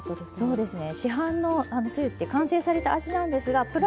そうですね。